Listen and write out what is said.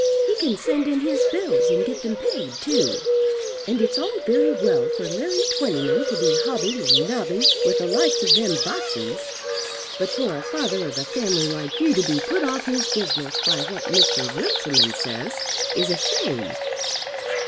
He can send in his bills, and get them paid too. And it's all very well for Larry Twentyman to be hobbing and nobbing with the likes of them Botseys. But for a father of a family like you to be put off his business by what Mr. Runciman says is a shame."